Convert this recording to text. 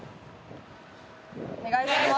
お願いします